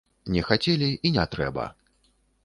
Не хацелі, і не трэба!